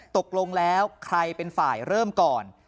ตกลงแล้วใครเป็นฝ่ายเริ่มก่อน